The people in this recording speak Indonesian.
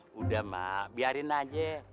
sudah biarkan saja